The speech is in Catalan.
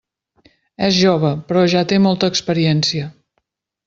És jove, però ja té molta experiència.